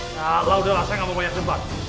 nah lah udahlah saya nggak mau banyak tempat